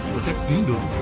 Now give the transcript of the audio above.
của các tuyến đường